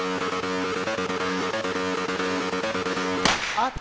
あっ。